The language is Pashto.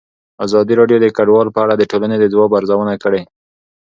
ازادي راډیو د کډوال په اړه د ټولنې د ځواب ارزونه کړې.